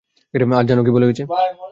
আর জানো কী বলে গেছে?